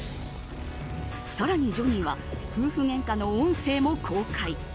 更にジョニーは夫婦ゲンカの音声も公開。